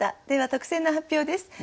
では特選の発表です。